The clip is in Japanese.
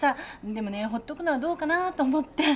でもねほっとくのはどうかなと思って。